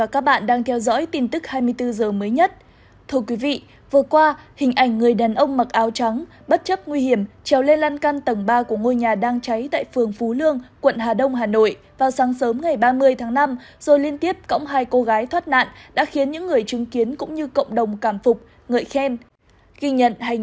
các bạn hãy đăng ký kênh để ủng hộ kênh của chúng mình nhé